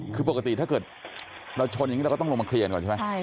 คือปกติถ้าเกิดเราชนอย่างนี้เราก็ต้องลงมาเคลียร์ก่อนใช่ไหม